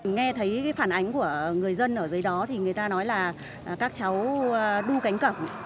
nghe thấy phản ánh của người dân ở dưới đó thì người ta nói là các cháu đu cánh cổng